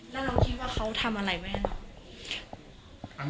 แล้วเราคิดว่าเขาทำอะไรแม่